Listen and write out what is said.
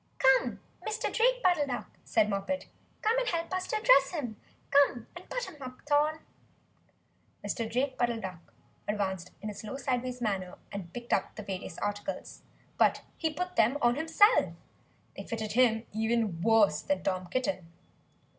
"Come! Mr. Drake Puddle Duck," said Moppet "Come and help us to dress him! Come and button up Tom!" Mr. Drake Puddle Duck advanced in a slow sideways manner, and picked up the various articles. But he put them on himself! They fitted him even worse than Tom Kitten.